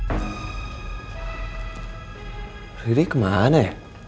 ambil kertas mu